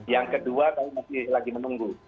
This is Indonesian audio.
yang kedua kami masih lagi menunggu